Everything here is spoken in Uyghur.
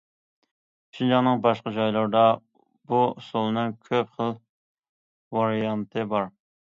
شىنجاڭنىڭ باشقا جايلىرىدا بۇ ئۇسسۇلنىڭ كۆپ خىل ۋارىيانتى بار.